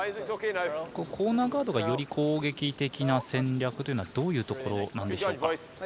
コーナーガードがより攻撃的な戦略というのはどういうところなんでしょうか。